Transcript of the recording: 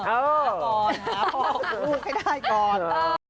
อ้าวพอพอพูดให้ได้ก่อน